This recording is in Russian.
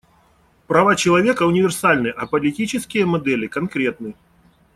Права человека универсальны, а политические модели конкретны.